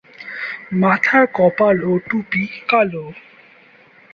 মাথার কপাল ও টুপি কালো।